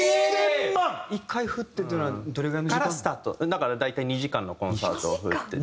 １回振ってっていうのはどれぐらいの時間？だから大体２時間のコンサートを振って。